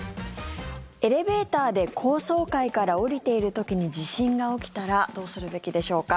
エレベーターで高層階から降りている時に地震が起きたらどうするべきでしょうか？